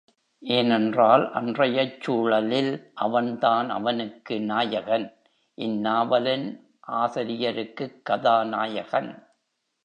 ஏனென்றால், அன்றையச் சூழலில் அவன்தான் அவனுக்கு நாயகன் இந்நாவலின் ஆசிரியருக்குக் கதாநாயகன்.